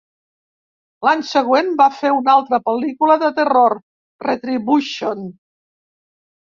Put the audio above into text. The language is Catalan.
L'any següent va fer una altra pel·lícula de terror, Retribution.